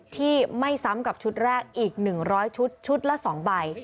ที่ไม่ซ้ำกับชุดแรกอีก๑๐๐ชุดชุดละ๒ใบ